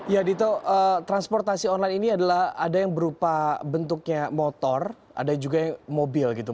ya dito transportasi online ini adalah ada yang berupa bentuknya motor ada juga yang mobil gitu